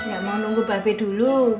ya mau nunggu bape dulu